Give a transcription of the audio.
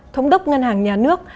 thống đốc ngân hàng nhà nước